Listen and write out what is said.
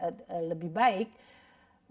mereka tidak selalu juga bisa memiliki kompetensi